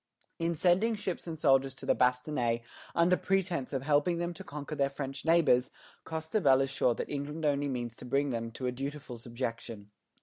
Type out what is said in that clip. In sending ships and soldiers to the "Bastonnais" under pretence of helping them to conquer their French neighbors, Costebelle is sure that England only means to bring them to a dutiful subjection.